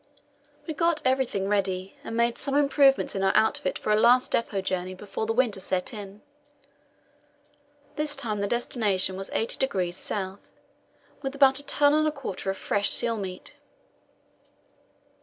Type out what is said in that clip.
We got everything ready, and made some improvements in our outfit for a last depot journey before the winter set in. This time the destination was 80° S., with about a ton and a quarter of fresh seal meat.